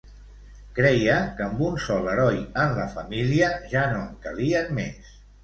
Creia que amb un sol heroi en la família ja no en calien més.